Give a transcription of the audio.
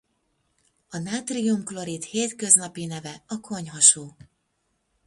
A nátrium-klorid hétköznapi neve a konyhasó.